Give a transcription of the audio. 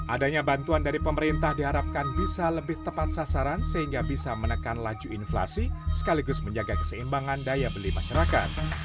adanya bantuan dari pemerintah diharapkan bisa lebih tepat sasaran sehingga bisa menekan laju inflasi sekaligus menjaga keseimbangan daya beli masyarakat